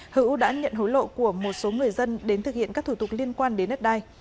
hữu đã nhận hối lộ của một số người dân đến thực hiện các thủ tục liên quan đến đất đai